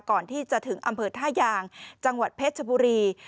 ก่อนที่จะถึงอำเภอท่ายางจังหวัดเพชรชบุรี